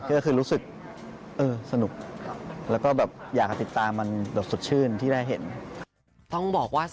ก็คือรู้สึกสนุกแล้วก็อยากติดตามันสดชื่นที่ได้เห็น